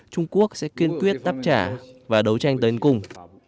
trung quốc sẽ kiên quyết đáp trả và đấu tranh tới cùng